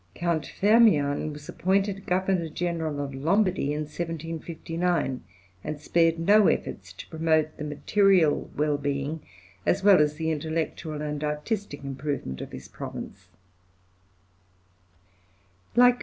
Count Firmian was appointed Govemor General of Lombardy in 1759, and spared no efforts to promote the material well being as well as the intellectual and artistic improvement of his province.